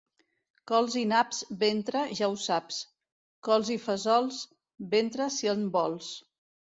Cols i naps, ventre, ja ho saps; cols i fesols, ventre, si en vols.